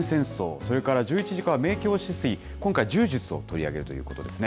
それから１１時から明鏡止水、今回は柔術を取り上げるということですね。